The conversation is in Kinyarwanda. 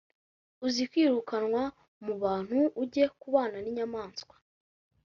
Uzirukanwa mu bantu ujye kubana ninyamaswa